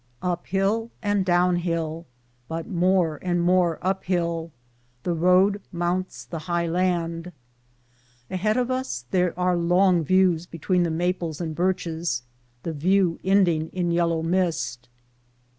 Uphill and downhill, but more and more uphill, the road mounts the high land. Ahead of us there are long views between the maples and birches, the view ending in yellow mist.